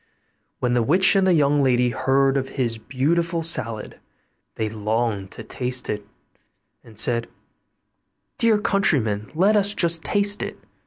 When the witch and the young lady heard of his beautiful salad, they longed to taste it, and said, 'Dear countryman, let us just taste it.